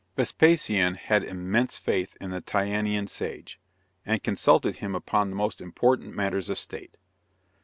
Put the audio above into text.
Vespasian had immense faith in the Tyanean sage, and consulted him upon the most important matters of State.